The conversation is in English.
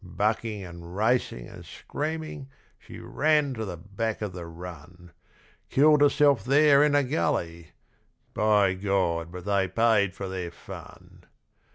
Bucking and racing and screaming she ran to the back of the run, Killed herself there in a gully; by God, but they paid for their fun!